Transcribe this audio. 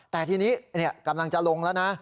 แต่ทีนี้กำลังจะลงแล้วนะ